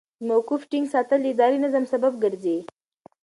د موقف ټینګ ساتل د ادارې د نظم سبب ګرځي.